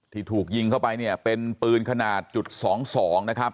ที่ถูกยิงเข้าไปเนี่ยเป็นปืนขนาดจุดสองสองนะครับ